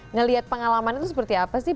ngelihat pengalaman itu seperti apa sih